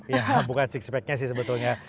ya bukan six pagnya sih sebetulnya